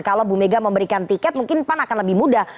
kalau bu mega memberikan tiket mungkin pan akan lebih mudah